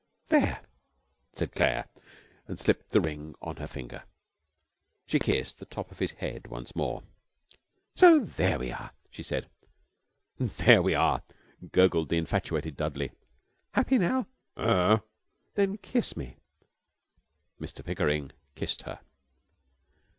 'There!' said Claire, and slipped the ring on her finger. She kissed the top of his head once more. 'So there we are!' she said. 'There we are!' gurgled the infatuated Dudley. 'Happy now?' 'Ur r!' 'Then kiss me.' Mr Pickering kissed her.